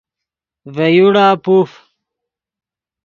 ڤے یوڑا پوف